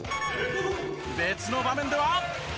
別の場面では。